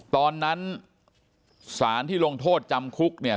ตอนนั้นสารที่ลงโทษจำคุกเนี่ย